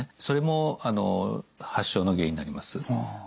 それも発症の原因になります。